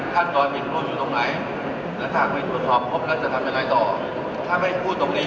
แผนงานบูกราศมายังไง